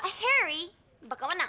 kepalanya pak harry bakal menang